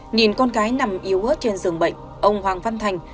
nhìn con cái nằm yếu ớt trên dường bệnh ông hoàng văn thành